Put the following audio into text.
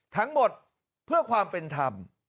ทั้งหมดเพื่อความเป็นธรรม